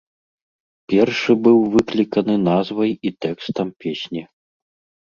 Першы быў выкліканы назвай і тэкстам песні.